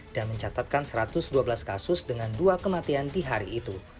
dan mencatatkan satu ratus dua belas kasus dengan dua kematian di hari itu